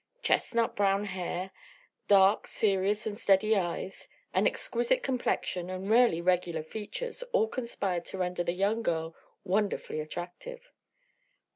Chestnut brown hair; dark, serious and steady eyes; an exquisite complexion and rarely regular features all conspired to render the young girl wonderfully attractive.